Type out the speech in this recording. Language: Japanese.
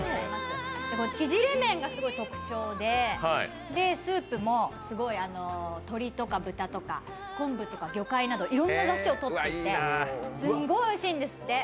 縮れ麺がすごい特徴でスープも鶏、豚、昆布、魚介などいろんなだしをとっていて、すっごいおいしいんですって。